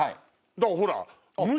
だからほら。